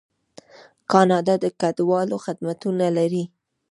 کاناډا د کډوالو خدمتونه لري.